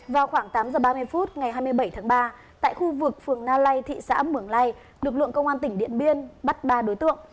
vào khoảng tám h ba mươi phút ngày hai mươi bảy tháng ba tại khu vực phường na lây thị xã mường lây lực lượng công an tỉnh điện biên bắt ba đối tượng